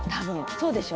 そうでしょ？